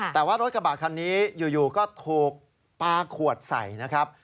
แต่ว่ารถกระบะคันนี้อยู่ก็ถูกปลาขวดใส่นะครับ